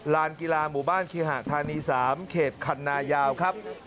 ล้านกีฬาหมู่บ้านครีฮะธรรมน์ตรี๓เขตขันนาเยาท์ครับ